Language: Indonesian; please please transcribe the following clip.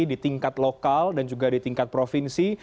di tingkat lokal dan juga di tingkat provinsi